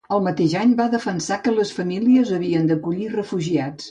El mateix any va defensar que les famílies havien d'acollir refugiats.